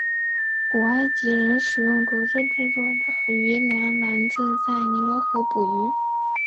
古埃及人使用竹子制作的渔梁篮子在尼罗河捕鱼。